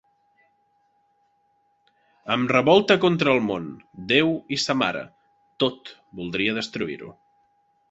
Em revolte contra el món, Déu i sa Mare: tot voldria destruir-ho.